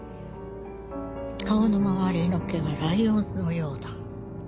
顔の周りの毛がライオンのようだ。